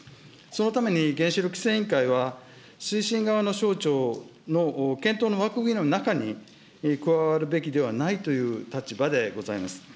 そのために原子力規制委員会は、推進側の省庁の検討の枠組みの中に加わるべきではないという立場でございます。